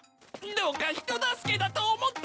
どうか人助けだと思って。